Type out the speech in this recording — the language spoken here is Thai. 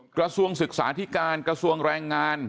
กระทรวงศึกษาที่การกระทรวงแรงงาน